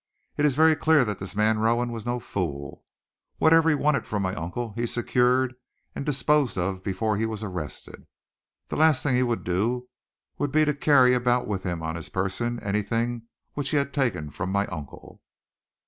"It is very clear that this man Rowan was no fool. Whatever he wanted from my uncle, he secured and disposed of before he was arrested. The last thing he would do would be to carry about with him on his person anything which he had taken from my uncle."